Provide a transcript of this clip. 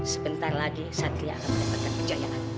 sebentar lagi satria akan mendapatkan kejayaan